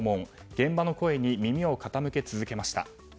現場の声に耳を傾け続けました。